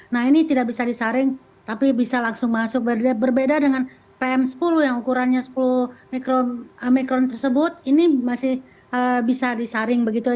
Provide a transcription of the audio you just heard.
nah ini tidak bisa disaring tapi bisa langsung masuk berbeda dengan pm sepuluh yang ukurannya sepuluh mikron tersebut ini masih bisa disaring begitu